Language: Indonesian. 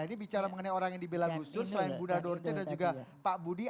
ini bicara mengenai orang yang dibela gus dur selain bunda dorce dan juga pak budi